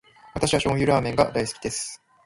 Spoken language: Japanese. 私は醤油ラーメンが大好きです。